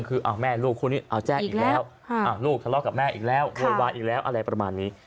คือแม่ลูกคู่นี้เอาแจ้งอีกแล้วลูกทะเลาะกับแม่อีกแล้วโวยวายอีกแล้วอะไรประมาณนี้